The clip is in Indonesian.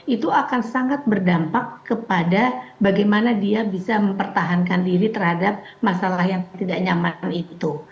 itu akan sangat berdampak kepada bagaimana dia bisa mempertahankan diri terhadap masalah yang tidak nyaman itu